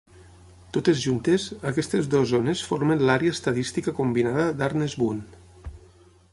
Totes juntes, aquestes dues zones formen l'Àrea Estadística Combinada d'Arnes-Boone.